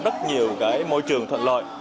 rất nhiều môi trường thuận lợi